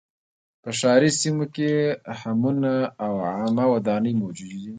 په ښاري سیمو کې حمونه او عامه ودانۍ موجودې وې